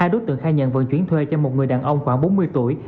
hai đối tượng khai nhận vận chuyển thuê cho một người đàn ông khoảng bốn mươi tuổi